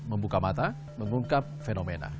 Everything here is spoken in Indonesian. membuka mata mengungkap fenomena